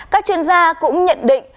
các chuyên gia cũng nhận định